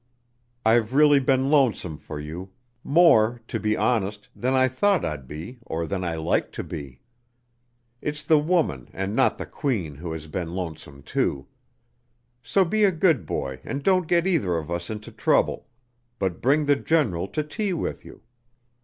I've really been lonesome for you, more, to be honest, than I thought I'd be or than I like to be. It's the woman and not the queen who has been lonesome, too. So be a good boy and don't get either of us into trouble, but bring the general to tea with you.